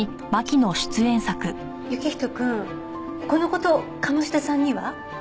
行人くんこの事鴨志田さんには？